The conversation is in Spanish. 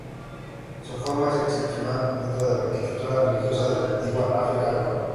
Su forma es excepcional dentro de la arquitectura religiosa de la antigua África romana.